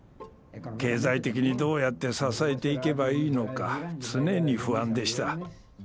経済的にどうやって支えていけばいいのか常に不安でした。